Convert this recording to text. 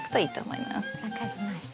分かりました。